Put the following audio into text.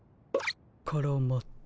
からまった。